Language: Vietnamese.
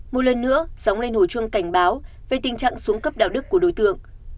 một lần nữa sóng lên hồi chuông cảnh báo về tình trạng xuống cấp đạo đức của đối tượng